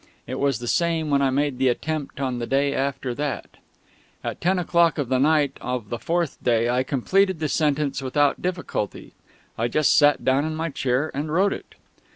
It was the same when I made the attempt on the day after that. At ten o'clock of the night of the fourth day I completed the sentence without difficulty. I just sat down in my chair and wrote it.